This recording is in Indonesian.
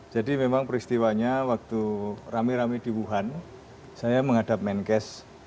jadi memang peristiwanya waktu rame rame di wuhan saya menghadap menkes